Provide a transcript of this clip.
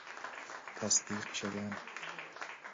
تصدیق شدن